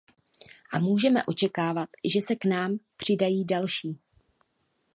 A můžeme očekávat, že se k nám přidají další.